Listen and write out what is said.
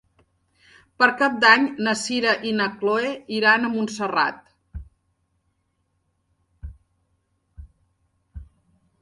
Per Cap d'Any na Sira i na Chloé iran a Montserrat.